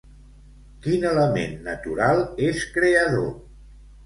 Quin element natural és creador?